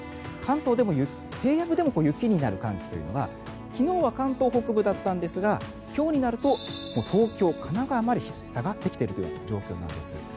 関東でも平野部でも雪になる寒気というのが昨日は関東北部だったんですが今日になると東京、神奈川まで下がってきている状況なんです。